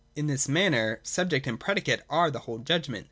] In this manner subject and predicate are each the whole judgment.